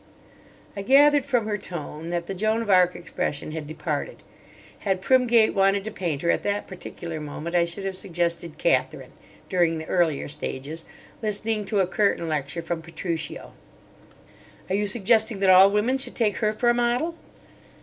I gathered from her tone that the Joan of Arc expression had departed. Had Primgate wanted to paint her at that particular moment I should have suggested Katherine—during the earlier stages—listening to a curtain lecture from Petruchio. "Are you suggesting that all women should take her for a model?"